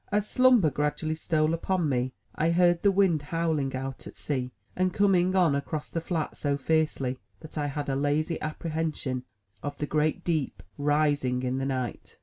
As slumber gradually stole upon me, I heard the wind howling out at sea and coming on across the flat so fiercely, that I had a lazy apprehension of the great deep rising in the night.